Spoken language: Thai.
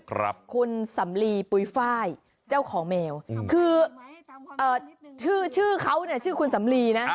ครับคุณสำลีปุ๋ยฝ้ายเจ้าของแมวคือเอ่อชื่อเขาเนี้ยชื่อคุณสำลีนะ